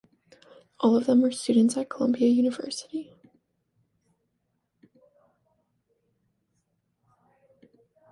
All of them were students at Columbia University.